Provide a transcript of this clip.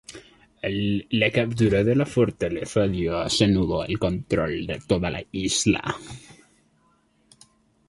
La captura de la fortaleza dio a Sanudo el control de toda la isla.